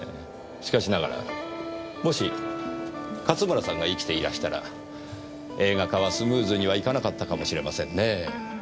しかしながらもし勝村さんが生きていらしたら映画化はスムーズにはいかなかったかもしれませんねぇ。